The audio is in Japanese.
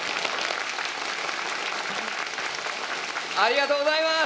ありがとうございます。